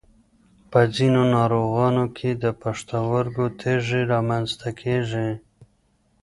په ځینو ناروغانو کې د پښتورګو تېږې رامنځته کېږي.